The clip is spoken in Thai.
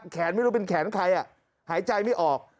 ไม่รู้เป็นแขนใครหายใจไม่ออก